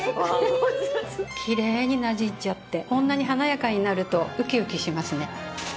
きれいになじんじゃってこんなに華やかになるとウキウキしますね。